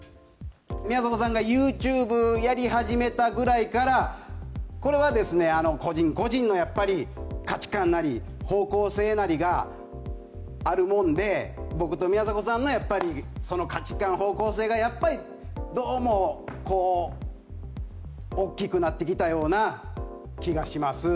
宮迫さんがユーチューブやり始めたぐらいからこれはですね、個人個人のやっぱり価値観なり、方向性なりがあるもんで、僕と宮迫さんのやっぱり、その価値観、方向性がやっぱりどうもこう、大きくなってきたような気がします。